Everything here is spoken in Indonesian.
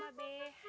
iya kan rok